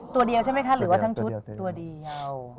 ตัวเดียวใช่ไหมคะหรือว่าทั้งชุดตัวเดียว